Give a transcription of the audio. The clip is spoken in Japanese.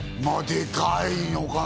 まあ、でかいのかな？